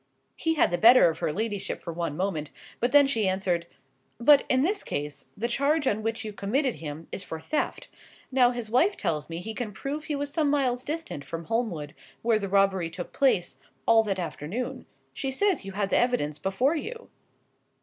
He had the better of her ladyship for one moment; but then she answered— "But in this case, the charge on which you committed him is for theft; now his wife tells me he can prove he was some miles distant from Holmwood, where the robbery took place, all that afternoon; she says you had the evidence before you."